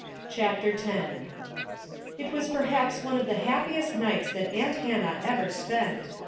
CHAPTEE X. It was perhaps one of the happiest nights that aunt Hannah ever spent.